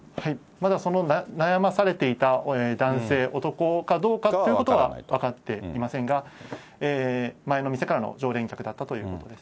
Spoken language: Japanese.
まだその悩まされていた男性、男かどうかっていうことは分かっていませんが、前の店からの常連客だったということです。